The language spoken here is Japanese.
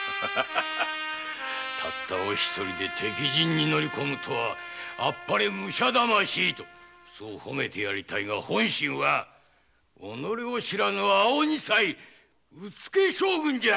たった一人で敵陣に乗り込むとはあっぱれ武者魂と褒めてやりたいが本心は己を知らぬ青二才うつけ将軍じゃ！